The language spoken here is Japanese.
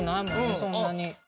そんなに。